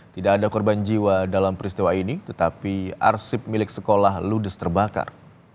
tidak ada korban jiwa dalam peristiwa ini tetapi arsip milik sekolah ludes terbakar